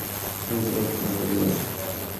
আমাদের শক্রতাকে ভ্রাতৃত্বে ও মমতায় পরিবর্তন করে দিলেন।